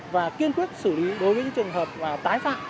và kiên quyết xử lý đối với những trường hợp tái phạm